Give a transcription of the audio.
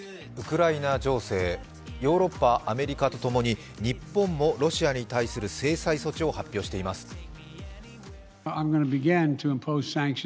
ウクライナ情勢、ヨーロッパ、アメリカとともに日本もロシアに対する制裁措置を発表しています。